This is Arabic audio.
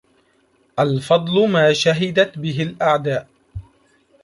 الفضل ما شهدت به الأعداء